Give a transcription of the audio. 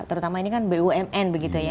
terutama ini kan bumn begitu ya